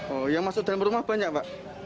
oh yang masuk dalam rumah banyak pak